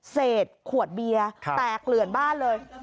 เศษขวดเบียร์แตกเหลื่อนบ้านเลย